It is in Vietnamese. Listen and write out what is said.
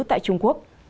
tại trung quốc